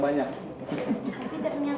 bawa barang banyak